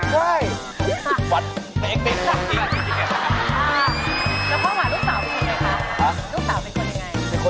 เราเข้ากลับมาคำถามแรกค่ะ